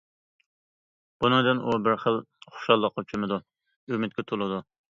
بۇنىڭدىن ئۇ بىر خىل خۇشاللىققا چۆمىدۇ، ئۈمىدكە تولىدۇ.